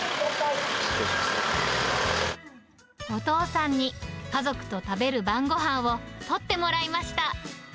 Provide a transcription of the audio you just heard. お父さんに、家族と食べる晩ごはんを撮ってもらいました。